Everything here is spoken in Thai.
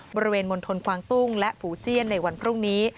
มณฑลกวางตุ้งและฝูเจียนในวันพรุ่งนี้